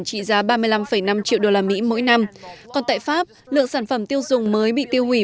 trị giá ba mươi năm năm triệu đô la mỹ mỗi năm còn tại pháp lượng sản phẩm tiêu dùng mới bị tiêu hủy